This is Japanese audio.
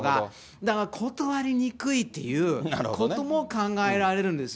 だから断りにくいっていうことも考えられるんですよ。